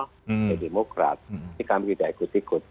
partai demokrat ini kami tidak ikut ikut